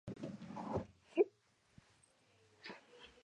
Los dos conductos hepáticos se unen formando el conducto hepático común.